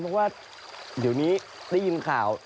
เพราะว่าเดี๋ยวนี้ได้ยินข่าว